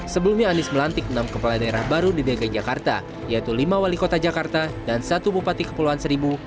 sebelumnya anies melantik enam kepala daerah baru di dki jakarta yaitu lima wali kota jakarta dan satu bupati kepulauan seribu